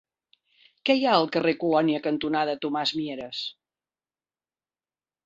Què hi ha al carrer Colònia cantonada Tomàs Mieres?